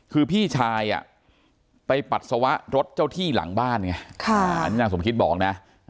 คือพี่ชายไปปัสสาวะรถเจ้าที่หลังบ้านไงอันนี้นางสมคิดบอกนะ